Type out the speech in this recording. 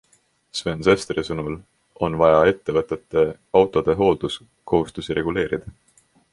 Sven Sesteri sõnul on vaja ettevõtete autode hoolduskohustusi reguleerida.